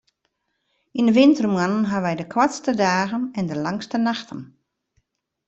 Yn 'e wintermoannen hawwe wy de koartste dagen en de langste nachten.